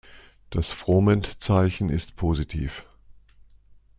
Das Froment-Zeichen ist positiv.